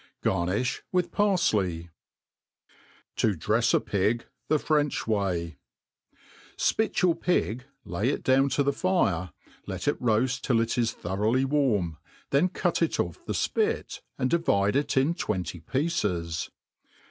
Garnifii with pariley* To drefs a Pig the French way*. ^ SPIT yoyr pig, lay it down to the fire, let it roafl till it is thoroughly warm, then cut it ofF the. fpit, and divide it in twenty pieces.